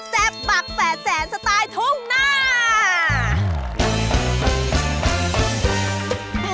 แซ่บปักแปดแสนสไตล์ทุ่งหน้า